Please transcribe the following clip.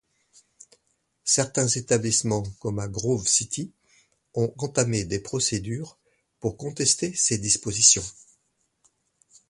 Certains établissements comme à Grove City ont entamé des procédures pour contester ces dispositions.